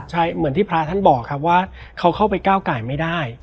ใช่เหมือนที่พระท่านบอกครับว่าเขาเข้าไปก้าวไก่ไม่ได้